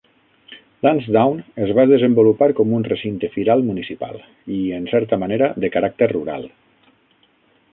Lansdowne es va desenvolupar com un recinte firal municipal i, en certa manera, de caràcter rural.